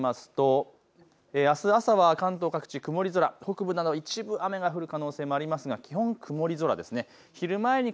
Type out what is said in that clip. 天気の分布で見てみますとあす朝は関東各地、曇り空北部など一部雨が降る可能性もありますが基本、曇り空ですね。